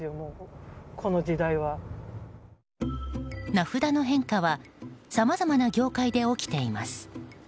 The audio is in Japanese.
名札の変化はさまざまな業界で起きています。